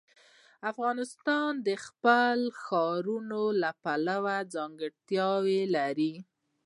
افغانستان د خپلو اوښانو له پلوه ځانګړتیا لري.